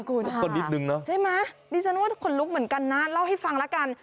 ค่ะคุณใช่มั้ยดีฉันว่าทุกคนลุกเหมือนกันน่ะเล่าให้ฟังละกัน